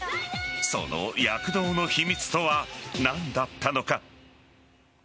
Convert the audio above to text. その躍動の秘密とは何だったのか？